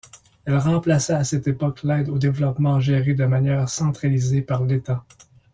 Elle remplaça à cette époque l'aide au développement gérée de manière centralisée par l'État.